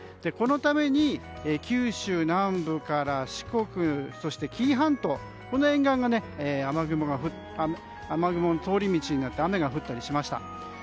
このために、九州南部から四国、そして紀伊半島この沿岸が雨雲の通り道になって雨が降ったりしました。